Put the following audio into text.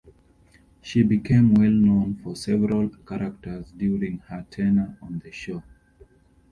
She became well known for several characters during her tenure on the show.